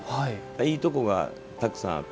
いいところが、たくさんあって。